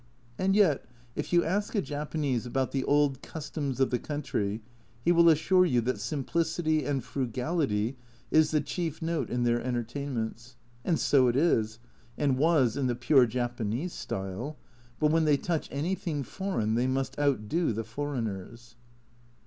And yet if you ask a Japanese about the old customs of the country he will assure you that simplicity and frugality is the chief note in their entertainments, and so it is and was in the pure Japanese style, but when they touch anything "foreign" they must outdo the foreigners.